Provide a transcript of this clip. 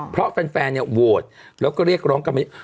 เพราะแฟนเนี่ยโหวตแล้วก็เรียกร้องกัน